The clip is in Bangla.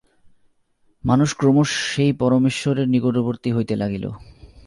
মানুষ ক্রমশ সেই পরমেশ্বরের নিকটবর্তী হইতে লাগিল।